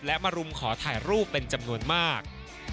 และมารุมขอถ่ายรูปเป็นจำนวนมาก